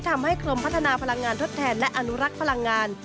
ทำให้กรมพัฒนาพลังงานทดแทนและอนุรักษ์พลังงาน